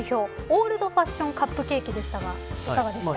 オールドファッションカップケーキでしたがいかがでしたか。